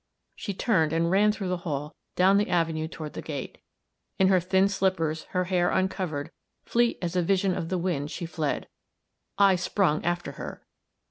She turned and ran through the hall, down the avenue toward the gate. In her thin slippers, her hair uncovered, fleet as a vision of the wind, she fled. I sprung after her.